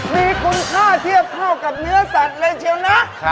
มีคุณค่าเทียบเข้ากับเนื้อสัตว์เลยเชียวนะ